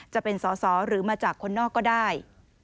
จะเป็นสอสอหรือมาจากคนนอกก็ได้